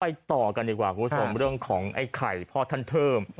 ไปต่อกันดีกว่าครับคุณผู้ชมงานเรื่องของไอ้ไข่พ่อท่านซึม